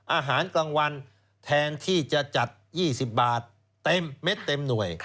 อาหารกลางวันแทนที่จะจัด๒๐บาทเต็มเม็ดเต็มหน่วย